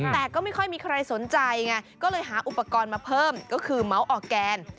แต่ก็ไม่ค่อยมีใครสนใจไงก็เลยหาอุปกรณ์มาเพิ่มก็คือเมาส์ออกแกน